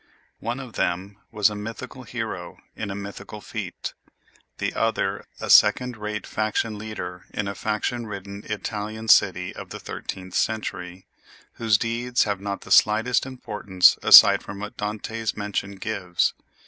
One of them was a mythical hero in a mythical feat, the other a second rate faction leader in a faction ridden Italian city of the thirteenth century, whose deeds have not the slightest importance aside from what Dante's mention gives.